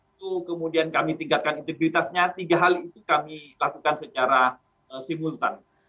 itu kemudian kami tingkatkan integritasnya tiga hal itu kami lakukan secara simultan